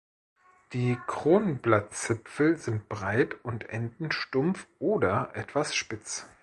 Die Kronblattzipfel sind breit und enden stumpf oder etwas spitz.